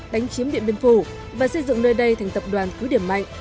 đánh chiếm điện biên phủ và xây dựng nơi đây thành tập đoàn cứ điểm mạnh